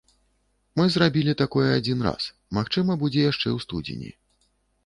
Мы зрабілі такое адзін раз, магчыма будзе яшчэ ў студзені.